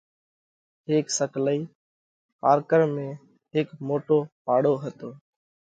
هيڪ سڪلئِي: پارڪر ۾ هيڪ موٽو پاڙو هتو۔